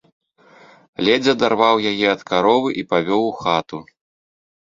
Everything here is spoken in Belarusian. Ледзь адарваў яе ад каровы і павёў у хату.